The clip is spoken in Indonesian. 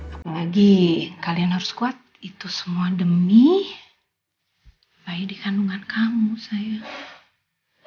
apalagi kalian harus kuat itu semua demi kayak di kandungan kamu saya